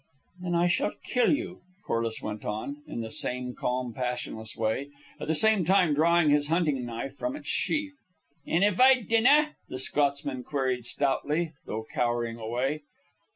"Then I shall kill you," Corliss went on, in the same calm, passionless way, at the same time drawing his hunting knife from its sheath. "And if I dinna?" the Scotsman queried stoutly, though cowering away.